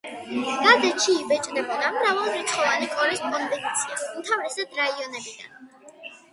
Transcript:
გაზეთში იბეჭდებოდა მრავალრიცხოვანი კორესპონდენცია, უმთავრესად რაიონებიდან.